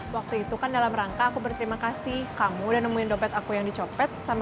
waktu itu kan dalam rangka aku berterima kasih kamu udah nemuin dompet aku yang dicopet